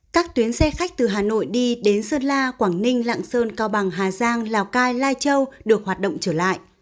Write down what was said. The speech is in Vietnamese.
các tuyến xe khách từ hà nội đi đến sơn la quảng ninh lạng sơn cao bằng hà giang lào cai lai châu được hoạt động trở lại